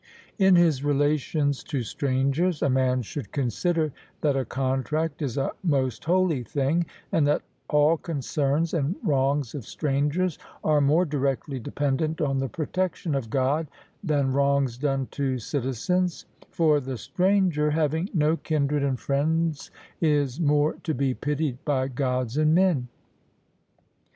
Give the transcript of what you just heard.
In his relations to strangers, a man should consider that a contract is a most holy thing, and that all concerns and wrongs of strangers are more directly dependent on the protection of God, than wrongs done to citizens; for the stranger, having no kindred and friends, is more to be pitied by Gods and men.